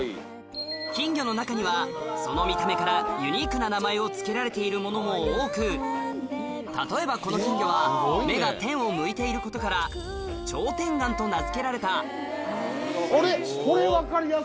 金魚の中にはその見た目からユニークな名前を付けられているものも多く例えばこの金魚は目が天を向いていることからと名付けられたあれ？